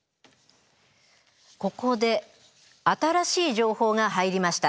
ここで新しい情報が入りました。